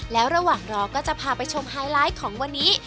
แล้วระหว่างรอก็จะพาไปชมไฮไลท์ของวันนี้